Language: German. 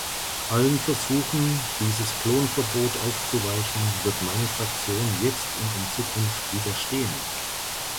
Allen Versuchen, dieses Klonverbot aufzuweichen, wird meine Fraktion jetzt und in Zukunft widerstehen.